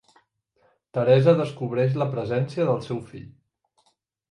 Teresa descobreix la presència del seu fill.